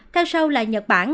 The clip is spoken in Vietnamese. theo sau là nhật bản